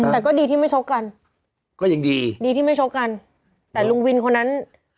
แต่ก็ดีที่ไม่ชกกันก็ยังดีดีที่ไม่ชกกันแต่ลุงวินคนนั้น